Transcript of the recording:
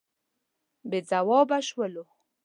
بې ځوابه شولو.